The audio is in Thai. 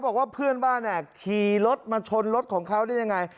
บอกว่าเพื่อนบ้านขี่รถมาชนรถของเขาได้ยังไง